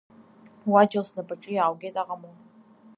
Уаџьал снапаҿы иааугеит!